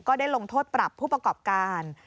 ได้ลงโทษปรับผู้ประกอบการ